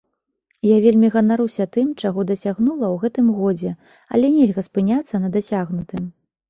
Я вельмі ганаруся тым, чаго дасягнула ў гэтым годзе, але нельга спыняцца на дасягнутым.